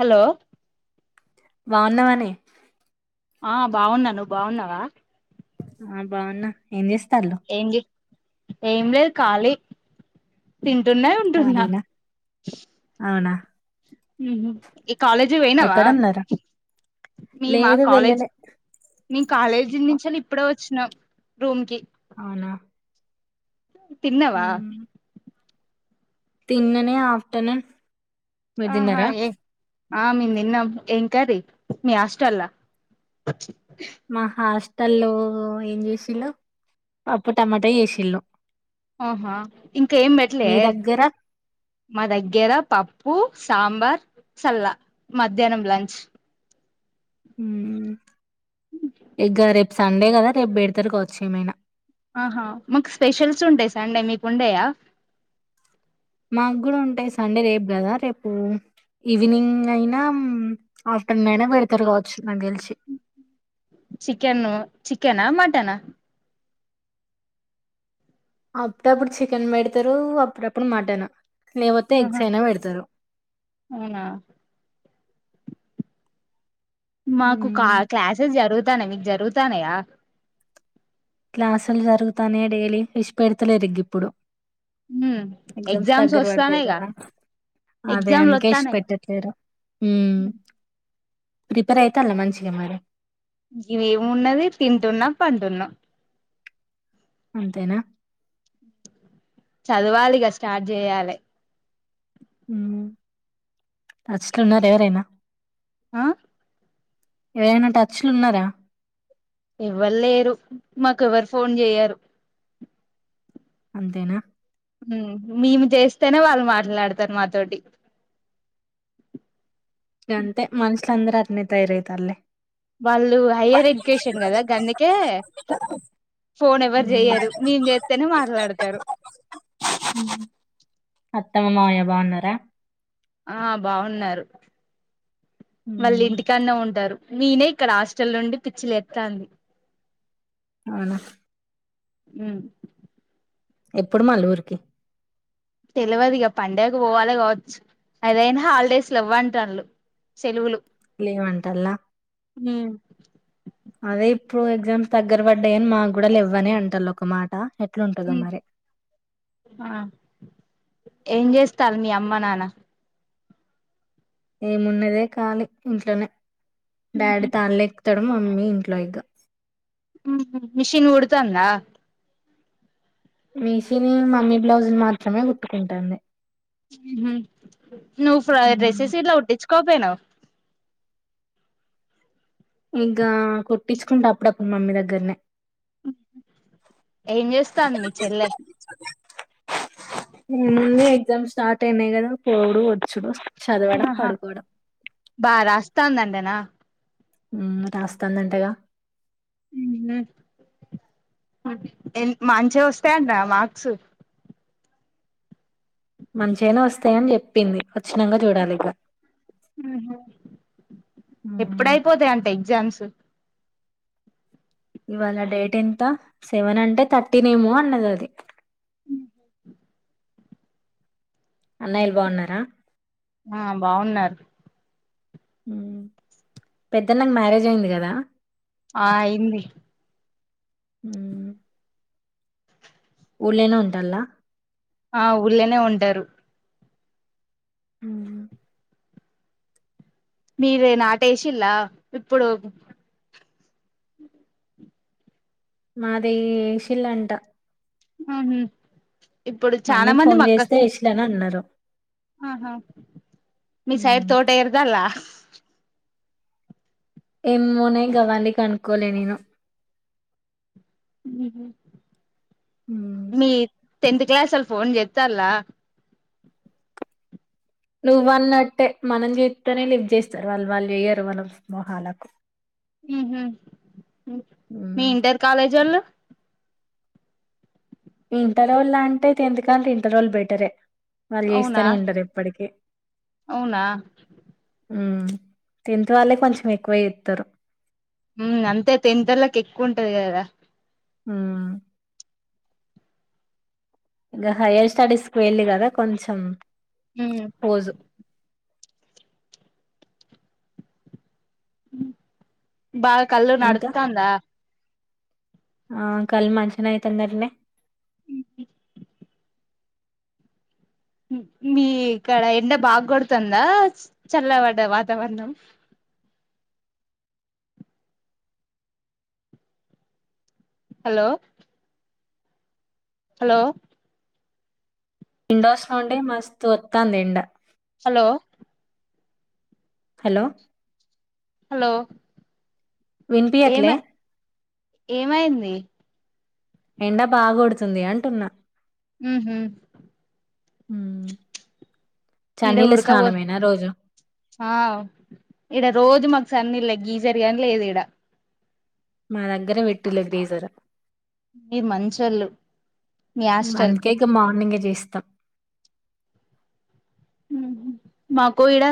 Hello బాగున్నావ నే ఆ బాగున్నా నువ్వు బాగున్నావా ఆ బాగున్నా ఏం చేస్తా ఏ ఎమ్లీ కాలీ తింటున్నా వింటున్నా ఖాళీనా అవునా ఉ కాలేజీ పోయినావా ఎక్కడున్నారా మీ మా లేదు కాలేజ్ వెళ్ళలే మీ కాలేజీ నుంచి ఇప్పుడ వచ్చినం రూమ్ కి అవునా తిన్నవా మ్మ్. తిన్ననే ఆఫ్టర్నూన్ మీరు ఆహా తిన్నారా ఏ ఆ మేము తిన్నాము ఏం కర్రీ మీ హాస్టల్ లో మహాష్ట తళ ఏం చేసిళు అప్పు టమాటా చేసిళ్ళు ఆహా ఇంకా ఏం పెట్టలే మీ దగ్గర మా దగ్గర పప్పు సాబార్ చల్లా మధ్యాహ్నం లంచ్ హ ఎగార ఎఫ సండే కదా రేపు బేడితర కావచ్చు ఏమైనా ఆహా మాకు స్పెషల్స్ ఉంటాయి సండే మీకు ఉండేయా మాకు కూడా ఉంటాయి సండే రేపు కదా రేపు ఈవినింగ్ అయినా ఆఫ్టర్నూన్ అయినా పెడతారు కావచ్చు నాకు తెలిసి చికెన్ చికెన్ మటన్ అప్పుడప్పుడు చికెన్ పెడతారు అప్పుడప్పుడు మటన్ లేపోతే ఎగ్స్ ఆహా అయినా పెడతారు అవునా మాకు కా మ్మ్ క్లాస్సేస్ జరు తనే మీకు జరుగుతానాయ క్లాసులు జరుగుతానే డైలీ ఇష్పెడ్తలేదు ఇగ్ ఇప్పుడు ఉమ్ ఎగ్జామ్స్ దగ్గర పడతాయి వస్తాన్నాయిగా కదా అదే ఎగ్జామ్లు అందుకే ఇష్ వస్తాన్నాయిగా పెట్టలేరు ప్రిపేర్ అయితలా మంచిగా మరి గివెమున్నది తింటున్నా పంటున్నా అంతేనా చదవాలి ఇగ స్టార్ట్ చేయాలి హ్మ్ నచుతున్నార్ ఎవరైనా ఆ ఎవరైనా టచ్ లు ఉన్నారా ఎవలేరు మాకు ఎవరు ఫోన్ చెయ్యరు అంతేనా హ్మ్ మేము చేస్తేనే వాళ్ళు మాట్లాడతారు మాతోటి ఇగ అంతే మన్స్ ఇట్ల అందరు అట్లనే తయారు అవుతారు లే వాళ్ళు హైయ్యర్ ఎడ్యుకేషన్ కదా గందుకే ఫోన్ ఎవరు మ్మ్ మ్మ్. చెయ్యరు మేం చేతేనే మాట్లాడతారు అత్తమ్మ మామయ్య బాగున్నారా ఆ బాగున్నారు వాళ్ళు మ్మ్ ఇంటికానే ఉంటారు మీనే ఇక్కడ హాస్టల్ నుండి పిచ్చిలేతాంది అవునా హ్మ్ ఎప్పుడు మళ్ళ ఊరికి తెలవదు ఇగ పండగకు పోవాలి కావచ్చు అదైనా హాలిడేస్ లేవంటన్లు సెలువులు లేవంటలా హ్మ్ అదే ఇప్పుడు ఎగ్జామ్స్ దగ్గర పడ్ డేన్ మాకు కూడా లేవ్వని అంటులు ఒకమాట ఎట్లా ఉంటదో మరి ఆ ఏం చేస్తారు మీ అమ్మ నాన్న ఏమున్నదే కాలి ఇంట్లోనే డాడీ తాన్ లేక్ ఇతడం మమ్మీ ఇంట్లో ఇగ్గ మిషిన్ కుడుతాందా మీషిని మమ్మీ బ్లౌజ్ మాత్రమే కుట్టుకుంటాంది హ్మ్ హు నువ్వు ఫ్రా రెసిసిలో కుట్టించు కోపైనవ్ ఇంకా కొట్టించుకుంట అప్పుడప్పుడు మమ్మీ దగ్గరనే ఏం చేస్తాంది మీ చెల్లె న ఎగ్జామ్ స్టార్ట్ అయినాయి కదా పోవుడు వచ్చుడు చదవడం ఆహా పడుకోవడం బారాస్త స్తా తంటనా హ్మ్మ్ రాస్తాందంటగా ఉహు మంచిగా వస్తాయంటనా మార్క్స్ మంచిగనే వస్తాయని చెప్పింది వచ్చినంక చూడాలి ఇక మ్మ్ ఎప్పుడయిపోతాయి అంట ఎగ్జామ్స్ స్ ఇవాళ డేట్ ఎంత సెవెన్ అంటే థర్టీన్ ఏమో అన్నది అది అన్నయిలు బావున్నారా ఆ బాగున్నారు పెద్దన్నకు మ్యారేజ్ అయింది కదా ఆ అయింది హ్మ్మ్ ఊళ్ళనా ఉంటల్లా ఆ ఊళ్ళేనే ఉంటారు హ్మ్మ్ మీరుే నాటేసిల్లా ఇప్పుడు మాది ఏశిల్ అంట అహు మమ్మీకి ఫోన్ చేస్తే ఇస్లేని అన్నారు ఆహా మీ సైడ్ తోట ఇర్దాలా ఎమ్మూనే గవన్నీ కనుకోలే నేను ఉ మీ టెన్త్ క్లాస్ వాళ ఫోన్ చేస్తలా నువ్ అన్నట్టే మనం చెప్తోనే లిఫ్ చేస్తారు వాళ్ళు వాళ్ళు చెయ్యరు మన మోహాలకు ఉహు మీ ఇంటర్ కాలేజోళ్ళు ఇంటర్ వాల్ అంటే టెన్త్ కంటే ఇంటర్ వాళ్ళు బెటర్ యే వాళ్ళు అవునా చేస్తానే ఉంటారు ఇప్పటికి అవునా హ్మ్మ్ టెన్త్త్ వాళ్ళే కొంచెం ఎక్కువ చేస్తారు హంట్అంతే టెన్త్ వాళ్ళకి ఎక్కువ ఉంటది కదా రా ఆ ఇంకా హయ్యర్ స్టడీస్ కి పోయిర్రు కదా కొంచెం ఉమ్ పోజు అ బా కలా ఇంకా నడతాందా ఆ కల్ మచనే అయితందటనే మీ కడ ఎండ బాగ కొడుతుందా చల్లబడ్డ వాతావరణం హలో హలో విండోస్ నుండి మస్తు వత్తాంది ఎండా హలో హలో హలో విన్ ఏమ పియట్లే ఏమైంది ఎండ బాగొడుతుంది అంటున్నా ఊహు ఊ ఇడ ఉడకాబో ఆవ్ ఇడ రోజ మాకు సన్నీలే గీజరిగాని లేదు ఈడ మా దగ్గర పెట్టులేద్ గ్రీజరు మీ మంచళ్ళు మీ హస్టల్ గీస్తం ఊహు మాకు ఈడ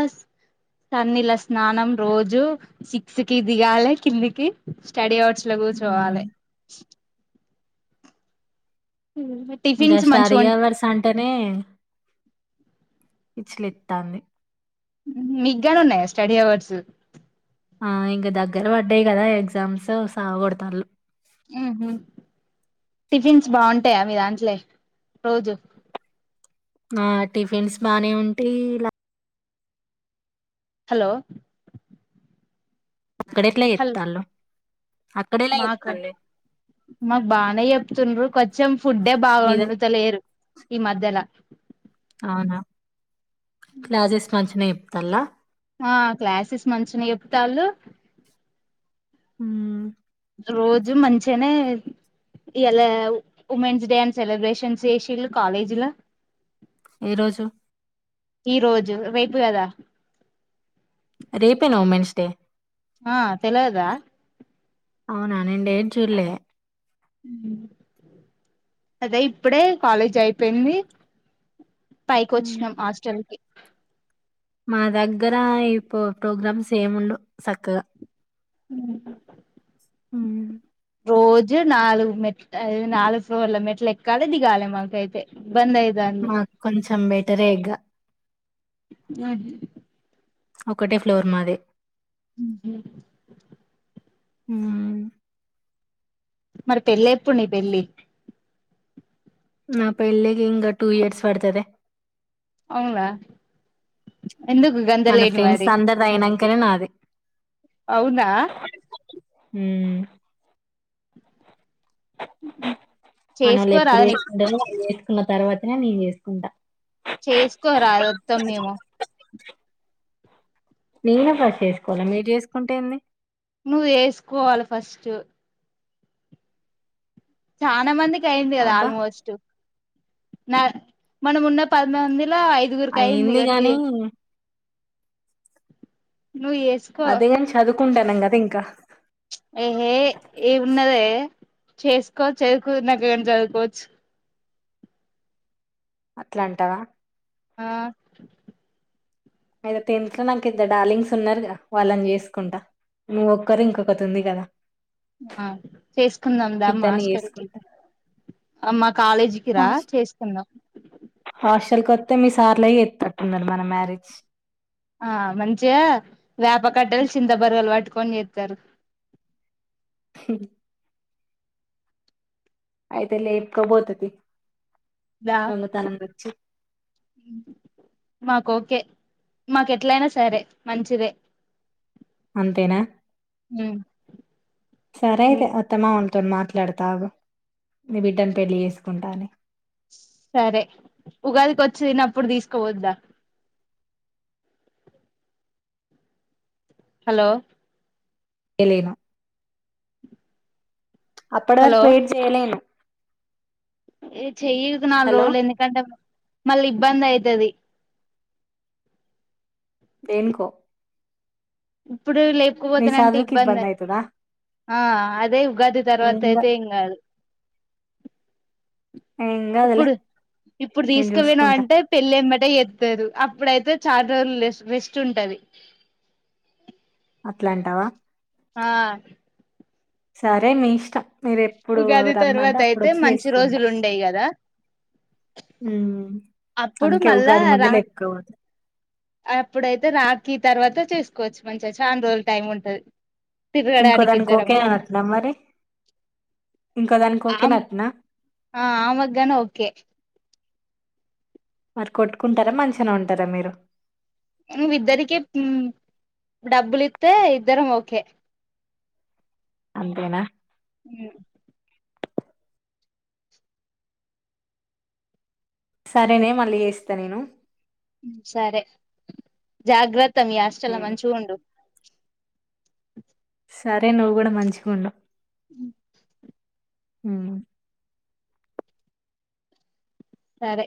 సన్నిల స్నానం రోజు సిక్స్ కి దిగాలే కిందికి స్టడీ అవర్స్ లో కూర్ హ్మ్ చోవాలే ఇంకా టిఫిన్స్ స్టడీ మంచిగా అవర్స్ అంటేనే పిచ్ లెత్తాంది మీకుగానే ఉన్నాయా స్టడీ అవర్స్ ఆ ఇంకా దగ్గర పడ్డాయి కదా ఎగ్జామ్స్ సావ కొడతాలు ఊహు టిఫిన్స్ బాగుంటాయా విదాంట్లే రోజు ఆ టిఫిన్స్ బానే ఉంటయి ఇలా హలో అక్కడెట్ల హలో ఎప్తలు మాకు మాకు బానే చెప్తుండ్రు కొద్ చెం ఫుడ్ మీద బాగొండత లేరు ఈ మధ్యల అవునా క్లాజస్ మంచినేం తల్ల ఆ క్లాసెస్ మంచినే ఎప్తళ్ళు ఊ రోజు మంచిగనే ఇలా ఉమెన్స్ డే అని సెలబ్రేషన్స్ చేసిళు కాలేజీల ఈ రోజు ఈ రోజు రేపు కదా రేపేనా ఉమెన్స్ డే ఆ తెలవదా అవునా నేడేం చూర్లే ఆమ్ అదే ఇప్పుడే కాలేజ్ అయిపోయింది ఉమ్. పైకొచ్చినం హాస్టల్ కి మా దగ్గర ఈ ప్రోగ్రామ్స్ ఏముండవు సక్కగా అహా ఉమ్ రోజు నాలుగు మెట్ నాలుగు ఫ్లోర్ల మెట్లు ఎక్కాలే దిగాలె మాకైతే ఇబ్బంది అయితాంది మాకు కొంచెం బెటరే ఇగ ఒకటే ఫ్లోర్ మాది ఉమ్ హు ఉమ్ మరి పెళ్లేప్పుడు నీ పెళ్ళి నా పెళ్ళికింక టూ ఇయర్స్ పడ్తదే అవునా ఎందుకు గంత లేట్ మరి కనే నాది అవునా ఉమ్ మనోళ్ళు ఎప్పుడు చేసుకోరాదు నీ చేసుకుంటరో కున్న తర్వాతనే నేను చేసుకుంట చేసుకోరాదు ఒత్తం మేము నేనే ఫస్ట్ చేసుకోవాల మీరు చేసుకుంటే ఏంది నువ్వు చేసుకోవాల ఫస్ట్ చానా మందికి కి అయింది కదా అబ్బా ఆల్మోస్ట్ నా మనం ఉన్న పదిమంది ల ఐదుగురుకి అయింది ఇగ నువ్వు చే నువ్వు చేసుకో కుంటాన్నం కదా ఇంకా ఏహే ఏమున్నదే చేసుకో చేసుకున్నంక చదువుకోవచ్చు అట్లంటవా ఆ అయితే టెన్త్ లో నాకు ఇద్దరు డార్లింగ్స్ ఉన్నరుగా వాళ్ళని చేసుకుంట నువ్వొక్కరు ఇంకొకతి ఉంది కదా ఆ చేసుకుందాం దా మా ఇద్దరిని హాస్టల్కి చేసుకుంటా మా కాలేజీకి రా చేసుకుందాం కొత్తే మీ సార్లే చెత్తట్టున్నరు మన మ్యారేజ్ ఆ మంచిగా యాప్ కట్టేలు చింత బరిగెలు బట్టుకు కొని చేత్తరు హ అయితే లేప్కబోత తియ్ దా దొంగతనంగ వచ్చి మాకు ఓకే మాకు ఎట్లయినా సరే మంచిదే అంతేనా సర అయితే అత్తమ్మా తో మాట్లాడతాగు నీ బిడ్డను పెళ్లి చేసుకుంటాని సరే ఉగాదికి వచ్చిన్నప్పుడు తీసుకుపోదువుద్దా హలో ఎలినా అప్పటి వరకు హలో వెయిట్ చేయలేను ఏ చెయ్యిగడ నాలుగు హలో రోజులు ఎందుకంటే మళ్ళీ ఇబ్బంది అయితది దేనికో ఓ ఇప్పుడు నీ లేపుకుపోతునంటే చదువుకి ఇబ్బంది అ అవుతుందా ఆ అదే ఉగాది తర్వాత అయితే ఏం కాదు ఏం కాదులే ఇప్పుడు ఇప్పుడు నేను తీసుకు తీసుకు చూసుకుంటా పోయినవంటే పెళ్ళి చేత్తారు అప్పుడయితే చాలా రోజులు రెస్ట్ ఉంటది అట్లాంటావా ఆ సరే నీ ఇష్టం మీరు ఎప్పుడు ఉగాది రమ్మంటే తర్వాత అప్పుడు అయితే మంచి రోజులు ఉండయి కదా ఉ అప్పుడు అందుకే మళ్ళా ఉగాది రా మధ్యల ఏతుకపోత అప్పుడైతే రాకి తర్వాత చేసుకోవచ్చు మంచిగా చానా రోజులు టైం ఉంటది ఇంకో తిరగడానికి దానికి ఇద్దరం ఒకే నట్నా మరి ఇంకో దానికి ఒకే ఆమ్ నట్నా ఆ ఆమెకు గాని ఓకే మరి కొట్టుకుంటారా మంచిగానే ఉంటారా మీరు నువ్ ఇద్దరికి డబ్బులిస్తే ఇద్దరికి ఓకే అంతేనా హ సరేనే మళ్ళీ చేస్తా నేను సరే జాగ్రత్త త్త మీ హాస్టల్ ల ఉమ్. మంచిగ ఉండు సరే నువ్వు కూడా మంచిగా ఉండు ఉ హూ సరే